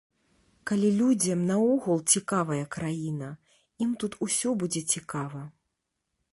Калі людзям наогул цікавая краіна, ім тут усё будзе цікава.